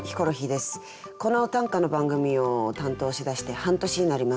この短歌の番組を担当しだして半年になります。